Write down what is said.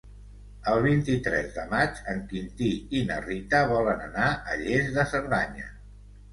El vint-i-tres de maig en Quintí i na Rita volen anar a Lles de Cerdanya.